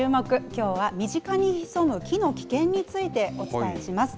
きょうは身近に潜む木の危険について、お伝えします。